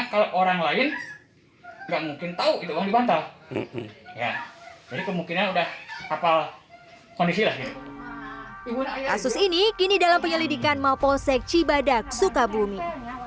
kasus ini kini dalam penyelidikan mapolsek cibadak sukabumi